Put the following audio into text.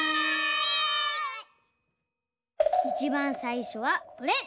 いちばんさいしょはこれ！